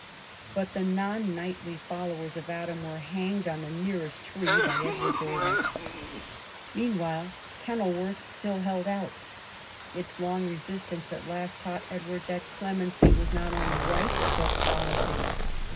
But the non knightly followers of Adam were hanged on the nearest trees by Edward's orders. Meanwhile Kenilworth still held out. Its long resistance at last taught Edward that clemency was not only right but politic.